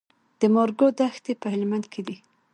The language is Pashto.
د مارګو دښتې په هلمند کې دي